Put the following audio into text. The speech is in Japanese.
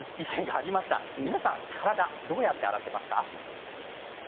皆さんはどうやって洗っていますか？